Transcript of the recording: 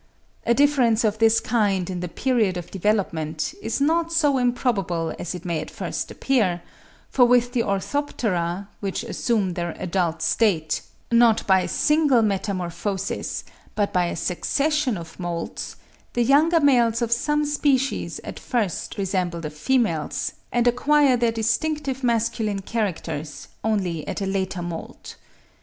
A difference of this kind in the period of development is not so improbable as it may at first appear; for with the Orthoptera, which assume their adult state, not by a single metamorphosis, but by a succession of moults, the young males of some species at first resemble the females, and acquire their distinctive masculine characters only at a later moult.